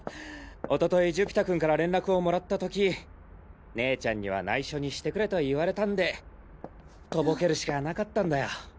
おととい寿飛太君から連絡をもらった時姉ちゃんには内緒にしてくれと言われたんでトボけるしかなかったんだよ。